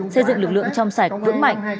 xây dựng lực lượng trong sạch vững mạnh